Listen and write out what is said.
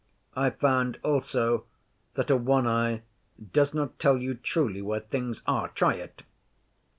I found also that a one eye does not tell you truly where things are. Try it!